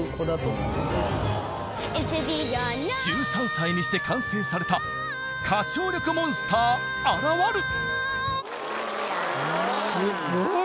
１３歳にして完成された歌唱力モンスター現る！